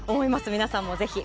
皆さんもぜひ。